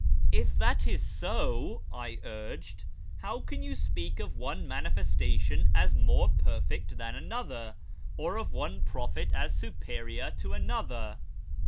" If that is so," I urged, " how can you speak of one Manifestation as more perfect than another, or one prophet as superior to another